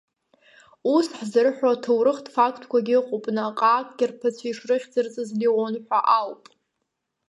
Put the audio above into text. Ус ҳзырҳәо аҭоурыхтә фактқәагьы ыҟоуп наҟ-ааҟгьы рԥацәа ишрыхьӡырҵаз Леон ҳәа ауп.